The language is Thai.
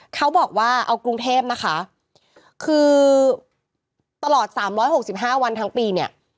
เขาบอกว่าเอากรุงเทพนะคะคือตลอด๓๖๕วันทั้งปีเนี่ย